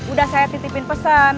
udah saya titipin pesen